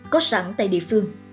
có sẵn tại địa phương